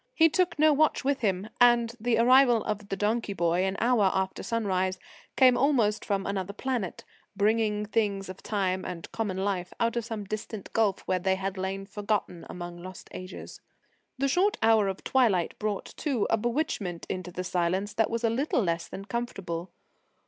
He took no watch with him, and the arrival of the donkey boy an hour after sunrise came almost from another planet, bringing things of time and common life out of some distant gulf where they had lain forgotten among lost ages. The short hour of twilight brought, too, a bewitchment into the silence that was a little less than comfortable.